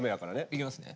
いきますね。